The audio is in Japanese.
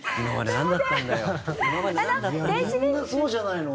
みんなそうじゃないの？